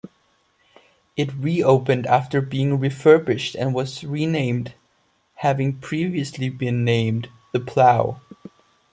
It re-opened after being refurbished and was renamed having previously been named The Plough.